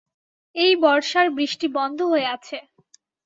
এই বর্ষার বৃষ্টি বন্ধ হয়ে আছে।